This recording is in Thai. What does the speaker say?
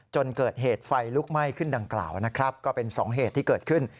จนเกิดเหตุไฟลุกไหม้ขึ้นดังกล่าวนะครับก็เป็นสองเหตุที่เกิดขึ้น